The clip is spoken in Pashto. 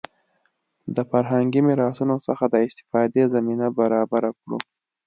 د فرهنګي میراثونو څخه د استفادې زمینه برابره کړو.